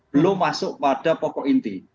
belum masuk pada pokok inti